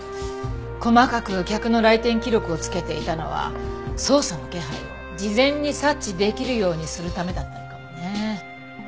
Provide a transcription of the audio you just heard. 細かく客の来店記録をつけていたのは捜査の気配を事前に察知できるようにするためだったのかもね。